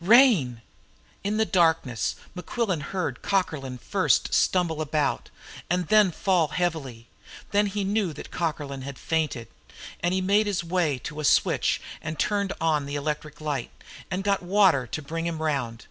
"Rain!" In the darkness, Mequillen heard Cockerlyne first stumble about, and then fall heavily. Then he knew that Cockerlyne had fainted, and he made his way to a switch and turned on the electric light, and got water to bring him round.